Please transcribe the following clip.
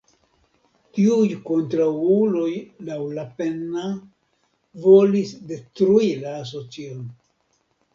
Tiuj kontraŭuloj laŭ Lapenna volis detrui la Asocion.